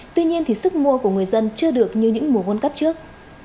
tuy nhiên thì sức mua của người dân chưa được như những mùa world cup trước